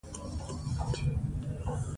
طلا د افغانستان د ټولنې لپاره بنسټيز رول لري.